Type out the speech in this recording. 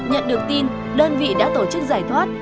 nhận được tin đơn vị đã tổ chức giải thoát